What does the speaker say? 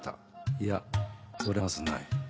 いやそれはまずない。